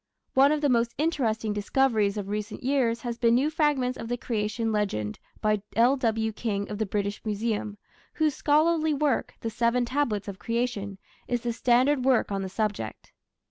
One of the most interesting discoveries of recent years has been new fragments of the Creation Legend by L.W. King of the British Museum, whose scholarly work, The Seven Tablets of Creation, is the standard work on the subject.